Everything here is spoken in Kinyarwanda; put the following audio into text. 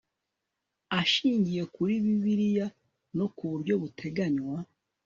ashingiye kuri Bibiriya no ku buryo buteganywa